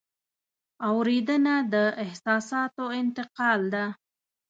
اورېدنه د احساساتو انتقال ده.